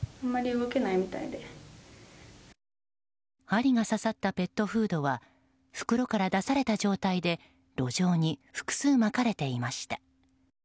針が刺さったペットフードは袋から出された状態で路上に複数まかれていました。